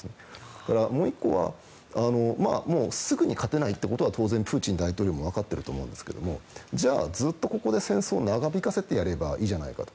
だから、もう１個はすぐに勝てないということはプーチン大統領も分かってると思うんですけどじゃあ、ずっと戦争を長引かせてやればいいじゃないかと。